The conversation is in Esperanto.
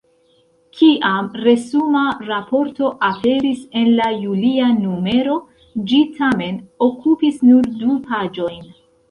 Kiam resuma raporto aperis en la julia numero, ĝi tamen okupis nur du paĝojn.